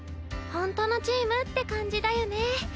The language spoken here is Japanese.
ほんとのチームって感じだよね。